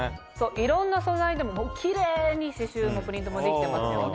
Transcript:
いろんな素材でもキレイに刺繍もプリントもできてますよね。